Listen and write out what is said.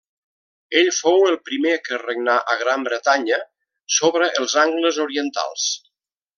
Ell fou el primer que regnà a Gran Bretanya sobre els angles orientals.